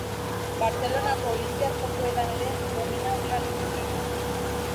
Bartzelonako Olinpiar Jokoetan ere domina bera lortu zuen.